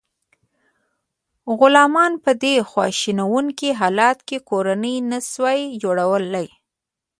غلامانو په دې خواشینونکي حالت کې کورنۍ نشوای جوړولی.